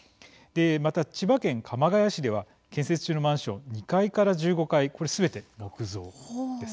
また、千葉県鎌ケ谷市では建設中マンション２階から１５階これ、すべて木造です。